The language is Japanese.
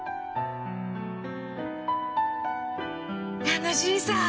楽しいさぁ！